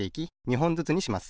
ほんずつにします。